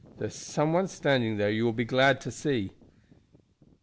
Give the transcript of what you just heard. There is some one standing there you will be glad to see."